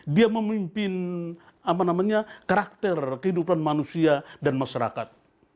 dia memimpin karakter kehidupan manusia dan masyarakat